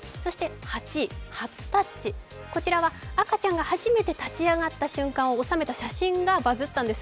８位、初たっち、こちらは赤ちゃんが初めて立ち上がった写真がバズったんです。